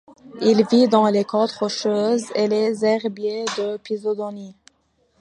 Il vit dans les côtes rocheuse et les herbiers de posidonie.